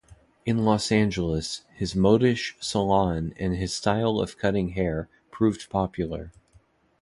In Los Angeles, his modish salon and his style of cutting hair proved popular.